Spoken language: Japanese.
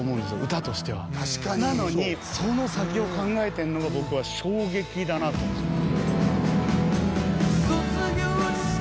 歌としてはなのにその先を考えてんのが僕は衝撃だなと思うんですよ